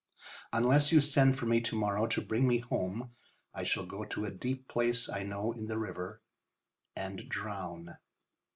Unless you send for me to morrow to bring me home I shall go to a deep place I know in the river and drown.